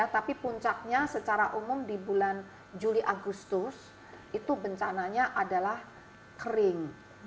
tapi puncaknya secara umum di bulan juli agustus itu bencananya adalah kering